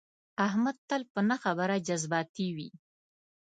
احمد تل په نه خبره جذباتي وي.